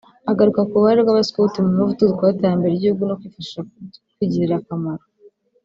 agaruka ku ruhare rw’Abaskuti mu muvuduko w’iterambere ry’igihugu no kwifasha kwigirira akamaro